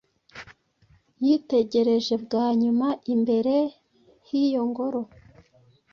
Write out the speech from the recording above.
yitegereje bwa nyuma imbere h’iyo ngoro